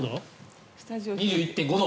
２１．５度。